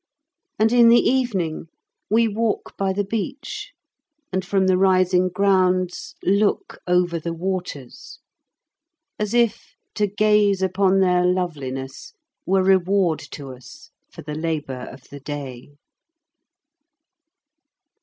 And in the evening we walk by the beach, and from the rising grounds look over the waters, as if to gaze upon their loveliness were reward to us for the labour of the day.